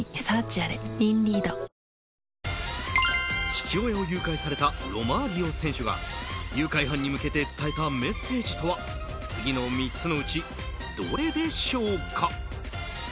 父親を誘拐されたロマーリオ選手が誘拐犯に向けて伝えたメッセージとは次の３つのうちどれでしょうか。